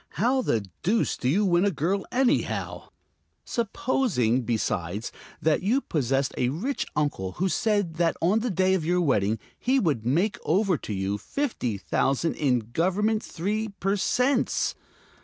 How the deuce do you win a girl, anyhow? Supposing, besides, that you possessed a rich uncle who said that on the day of your wedding he would make over to you fifty thousand in Government three per cents?